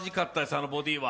あのボディーは。